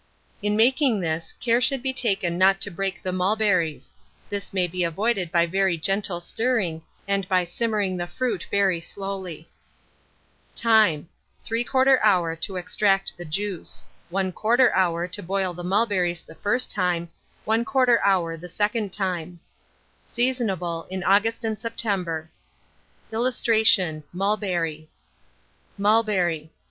In making this, care should be taken not to break the mulberries: this may be avoided by very gentle stirring, and by simmering the fruit very slowly. Time. 3/4 hour to extract the juice; 1/4 hour to boil the mulberries the first time, 1/4 hour the second time. Seasonable in August and September. [Illustration: MULBERRY.] MULBERRY.